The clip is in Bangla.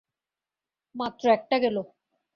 মাত্র একটা গেল।